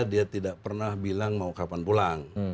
dia tidak pernah bilang mau kapan pulang